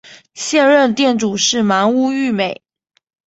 现任店主是鳗屋育美。